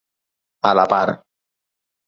A la par.